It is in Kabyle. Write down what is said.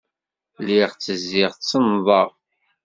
Lliɣ ttezziɣ, ttennḍeɣ.